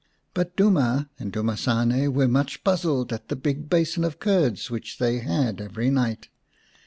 But Duma and Dumasane were much puzzled at the big basin of curds which they had every night.